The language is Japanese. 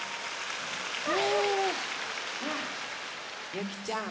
ゆきちゃん。